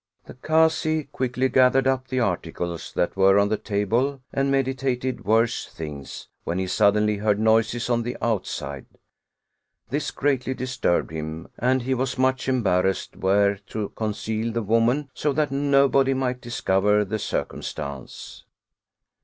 The Kazi quickly gathered up the articles that were on the table and meditated worse things ; when he suddenly heard noises on the outside; this greatly disturbed him, and he was much embarrassed where to conceal the woman so that nobody might discover the circumstance.